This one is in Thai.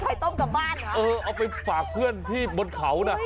เออเอาไปฝากเพื่อนที่บนเขาน่ะ